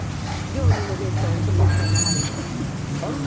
漁にも出んとお小遣いならんから。